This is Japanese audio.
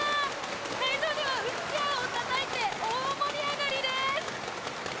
会場ではうちわをたたいて大盛り上がりです。